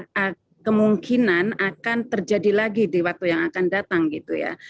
nah kemungkinan akan terjadi lagi di waktu yang akan datang gitu ya